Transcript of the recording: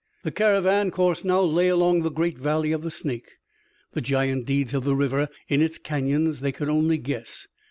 The caravan course now lay along the great valley of the Snake. The giant deeds of the river in its cañons they could only guess.